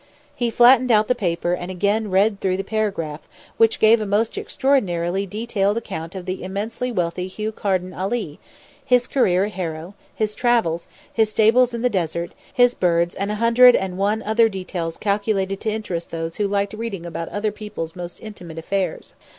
He flattened out the paper and again read through the paragraph which gave a most extraordinarily detailed account of the immensely wealthy Hugh Carden Ali, his career at Harrow; his travels; his stables in the desert; his birds and a hundred and one other details calculated to interest those who like reading about other people's most intimate affairs.